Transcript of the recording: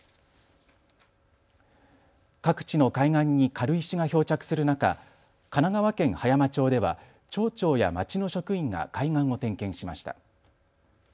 各地の海岸に軽石が漂着する中、神奈川県葉山町では町長や町の職員が海岸を点検しました。